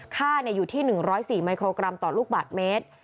ค่าอยู่ที่๑๐๔มิโครกรัมต่อลูกบาทเมตร